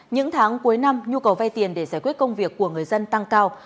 những tháng cuối năm nhu cầu vay tiền để giải quyết công việc của người dân tăng cao